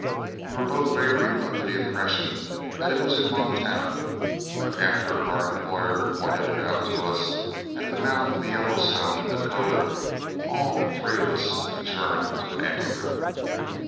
We were both laboring under the impression that it was in Montana, but after our employer pointed it out to us at the mouth of the Yellowstone in Dakota, all three of us adjourned to an ante room.